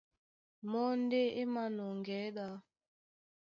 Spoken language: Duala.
Mɔ́ ndé é mānɔŋgɛɛ́ ɗá.